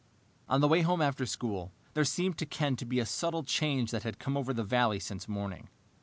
On the way home after school, there seemed to Ken to be a subtle change that had come over the valley since morning.